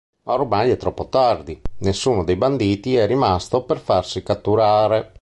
Ma ormai è troppo tardi: nessuno dei banditi è rimasto per farsi catturare.